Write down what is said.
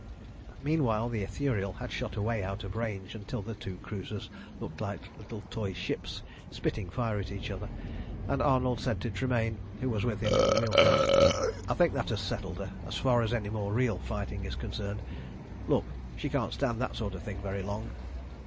Meanwhile the Ithuriel had shot away out of range until the two cruisers looked like little toy ships spitting fire at each other, and Arnold said to Tremayne, who was with him in the wheel house "I think that has settled her, as far as any more real fighting is concerned. Look! She can't stand that sort of thing very long."